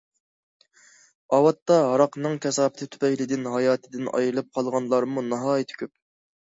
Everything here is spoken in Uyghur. ئاۋاتتا ھاراقنىڭ كاساپىتى تۈپەيلىدىن ھاياتىدىن ئايرىلىپ قالغانلارمۇ ناھايىتى كۆپ.